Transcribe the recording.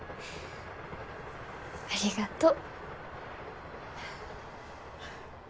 ありがとう。